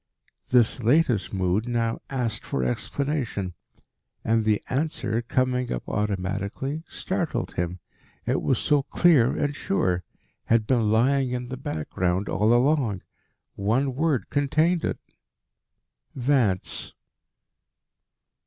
This latest mood now asked for explanation. And the answer, coming up automatically, startled him. It was so clear and sure had been lying in the background all along. One word contained it: Vance.